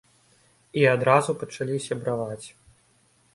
І адразу пачалі сябраваць.